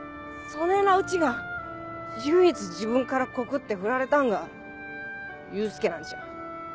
そねぇなうちが唯一自分から告ってフラれたんが祐介なんちゃ。